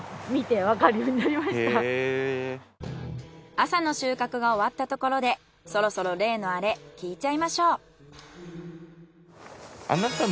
朝の収穫が終わったところでそろそろ例のアレ聞いちゃいましょう。